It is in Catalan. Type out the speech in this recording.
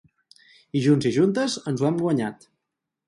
I junts i juntes ens ho hem guanyat.